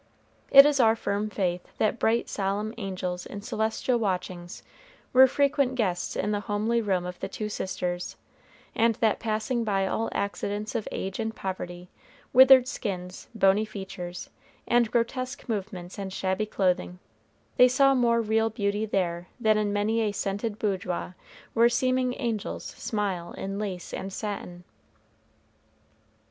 It is our firm faith that bright solemn angels in celestial watchings were frequent guests in the homely room of the two sisters, and that passing by all accidents of age and poverty, withered skins, bony features, and grotesque movements and shabby clothing, they saw more real beauty there than in many a scented boudoir where seeming angels smile in lace and satin.